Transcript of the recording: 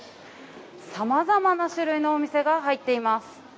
さまざまな種類のお店が入っています。